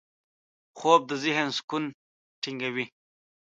خوب د ذهن سکون ټینګوي